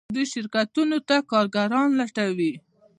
دوی شرکتونو ته کارګران لټوي.